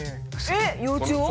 えっ幼虫を？